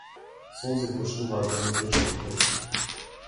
Солзи почнуваат да ми течат од очите.